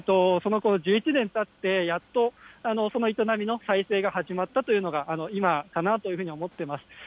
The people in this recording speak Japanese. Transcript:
その後、１１年たってやっと、その営みの再生が始まったというのが、今かなというふうに思ってます。